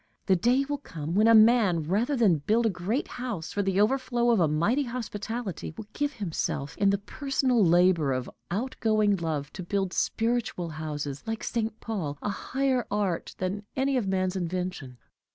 The day will come when a man, rather than build a great house for the overflow of a mighty hospitality, will give himself, in the personal labor of outgoing love, to build spiritual houses like St. Paul a higher art than any of man's invention.